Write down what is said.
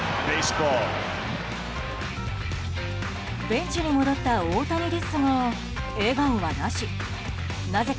ベンチに戻った大谷ですが笑顔はなし。